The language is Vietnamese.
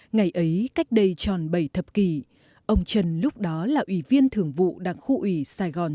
ngày ấy cách đây tròn bảy thập kỷ ông trần lúc đó là ủy viên thường vụ đảng khu ủy sài gòn